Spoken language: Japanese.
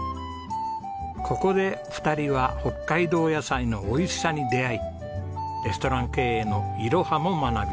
ここで２人は北海道野菜の美味しさに出合いレストラン経営のイロハも学びました。